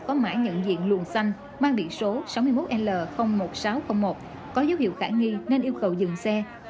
có mã nhận diện luồn xanh mang biển số sáu mươi một l một nghìn sáu trăm linh một có dấu hiệu khả nghi nên yêu cầu dừng xe